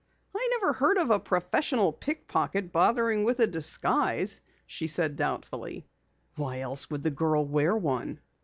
"I never heard of a professional pickpocket bothering with a disguise," she said doubtfully. "Why else would the girl wear one?"